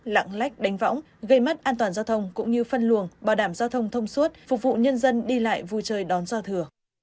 lặng lách đánh võng gây mất an toàn giao thông cũng như phân luồng bảo đảm giao thông thông suốt phục vụ nhân dân đi lại vui chơi đón do thừa